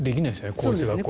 公立学校は。